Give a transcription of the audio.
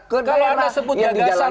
kalau anda sebut gagasan